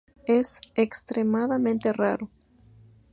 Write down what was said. Es extremadamente raro.